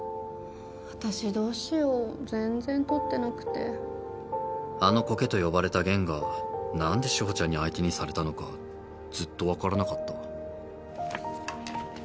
私どうしよう全然取ってなくてあの苔と呼ばれた弦がなんで志保ちゃんに相手にされたのかずっと分からなかった。